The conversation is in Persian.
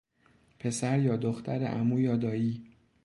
پسر یا دختر عمو یا دایی